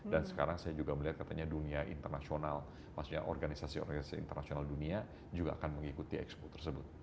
dan sekarang saya juga melihat katanya dunia internasional maksudnya organisasi organisasi internasional dunia juga akan mengikuti ekspo tersebut